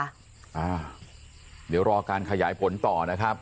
อ่าเดี๋ยวรอการขยายผลต่อนะครับ